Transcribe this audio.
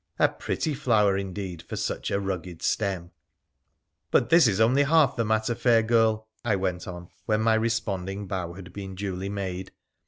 A pretty flower indeed, for such a rugged stem !' But this is only half tbe matter, fair girl,' I went on, when my responding bow had been duly made.